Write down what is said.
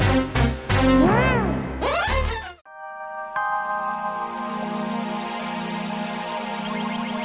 sampai jumpa lagi